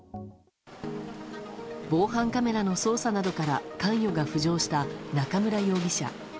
防犯カメラの捜査などから関与が浮上した中村容疑者。